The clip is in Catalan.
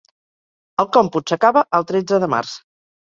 El còmput s'acaba el tretze de març.